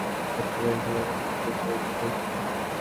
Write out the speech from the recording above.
এখানে যেন নিজেকে প্রতিষ্ঠিত করতে পারি, সবার কাছে সেই সহযোগিতা চাইছি।